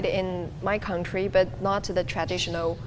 bukan dengan alat indonesia tradisional